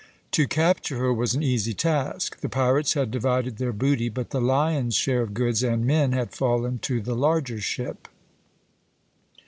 To capture her was an easy task. The pirates had divided their booty, but the lion's share of goods and men had fallen to the larger ship.